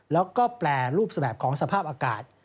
แล้วก็แปรรูปแบบของสภาพอากาศ